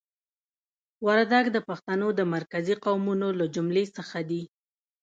وردګ د پښتنو د مرکزي قومونو له جملې څخه دي.